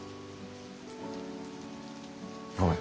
ごめん。